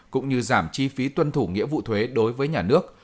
cũng như giảm chi phí tuân thủ nghĩa vụ thuế đối với nhà nước